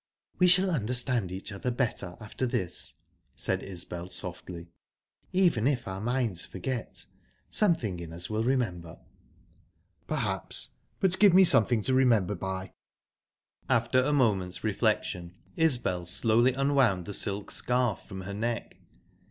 "We shall understand each other better after this," said Isbel, softly. "Even if our minds forget, something in us will remember." "Perhaps; but give me something to remember by." After a moment's reflection, Isbel slowly unwound the silk scarf from her neck.